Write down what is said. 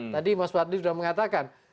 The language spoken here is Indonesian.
tadi mas fadli sudah mengatakan